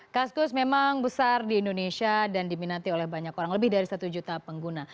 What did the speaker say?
kaskus memang besar di indonesia dan diminati oleh banyak orang lebih dari satu juta pengguna